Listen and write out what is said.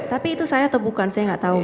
tapi itu saya atau bukan saya gak tau